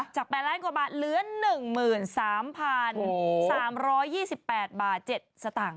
จาก๘ล้านกว่าบาทเหลือ๑๓๓๒๘บาท๗สตางค์